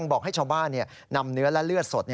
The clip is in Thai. บอกให้ชาวบ้านนำเนื้อและเลือดสด